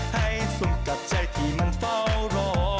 ให้สุขกับใจที่มันเฝ้ารอ